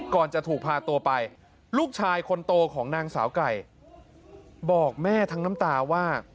จะถูกพาตัวไปลูกชายคนโตของนางสาวไก่บอกแม่ทั้งน้ำตาว่า